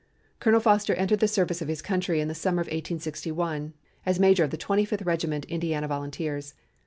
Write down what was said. Colonel Foster entered the service of his country in the summer of 1861, as major of the Twenty fifth Regiment Indiana Volunteers.